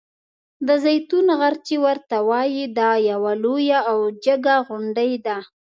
د زیتون غر چې ورته وایي دا یوه لویه او جګه غونډۍ ده.